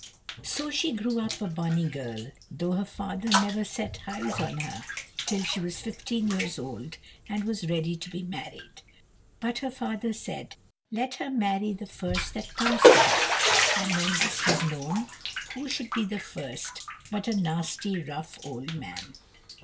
So she grew up a bonny girl, though her father never set eyes on her till she was fifteen years old and was ready to be married. But her father said, "Let her marry the first that comes for her." And when this was known, who should be first but a nasty rough old man.